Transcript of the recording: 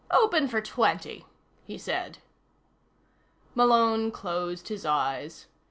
"Open for twenty," he said. Malone closed his eyes.